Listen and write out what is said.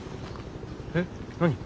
えっ？何？